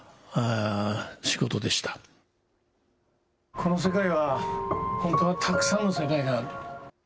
この世界は、本当はたくさんの世界がある。